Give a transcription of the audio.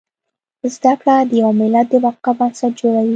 زده کړه د يو ملت د بقا بنسټ جوړوي